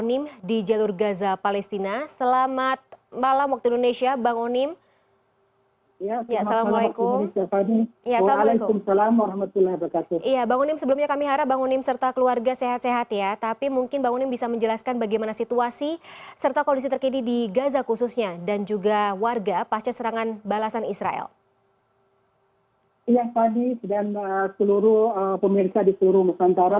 iya fani dan seluruh pemirsa di seluruh nusantara